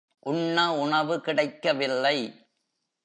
உண்ண உணவு கிடைக்கவில்லை.